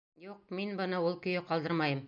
Юҡ, мин быны ул көйө ҡалдырмайым!